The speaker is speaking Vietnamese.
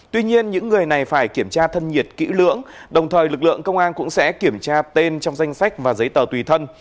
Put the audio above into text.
tuy nhiên những người này phải kiểm tra thân nhiệt kỹ lưỡng đồng thời lực lượng công an cũng sẽ kiểm tra tên trong danh sách và giấy tờ tùy thân